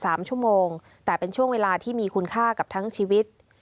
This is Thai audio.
สามชั่วโมงแต่เป็นช่วงเวลาที่มีคุณค่ากับทั้งชีวิต